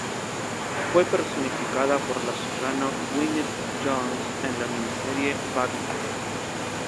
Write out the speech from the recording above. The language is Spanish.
Fue personificada por la soprano Gwyneth Jones en la miniserie Wagner.